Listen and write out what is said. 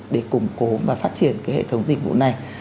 để củng cố và phát triển cái hệ thống dịch vụ này